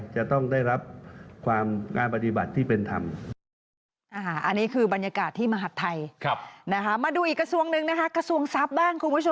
จะต้องได้รับความการปฏิบัติที่เป็นธรรม